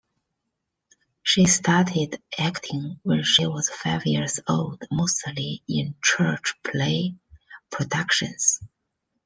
She started acting when she was five years old, mostly in church play productions.